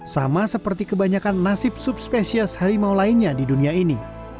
sama seperti kebanyakan nasib subspesies harimau lainnya di dunia ini